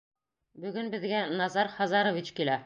Бөгөн беҙгә Назар Хазарович килә!